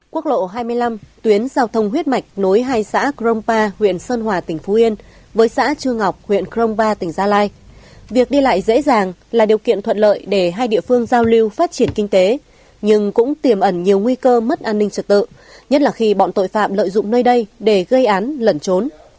quốc lộ hai mươi năm tuyến giao thông huyết mạch nối hai xã crongpa huyện sơn hòa tỉnh phú yên với xã chu ngọc huyện crongpa tỉnh gia lai việc đi lại dễ dàng là điều kiện thuận lợi để hai địa phương giao lưu phát triển kinh tế nhưng cũng tiềm ẩn nhiều nguy cơ mất an ninh trật tự nhất là khi bọn tội phạm lợi dụng nơi đây để gây án lẩn trốn